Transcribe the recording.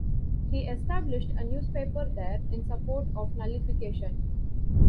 He established a newspaper there in support of nullification.